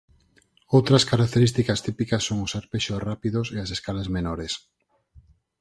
Outras características típicas son os arpexos rápidos e as escalas menores.